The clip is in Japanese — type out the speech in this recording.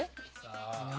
何？